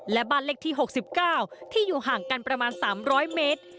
และบ้านเลขที่๖๙ที่อยู่ห่างกันประมาณ๓๐๐เมตร